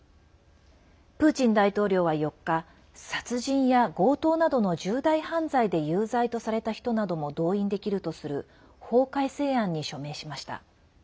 プーチン大統領は４日殺人や強盗などの重大犯罪で有罪とされた人なども動員できるとする法改正案に署名しました。